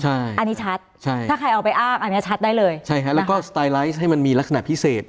ใช่อันนี้ชัดใช่ถ้าใครเอาไปอ้างอันนี้ชัดได้เลยใช่ฮะแล้วก็สไตไลฟ์ให้มันมีลักษณะพิเศษ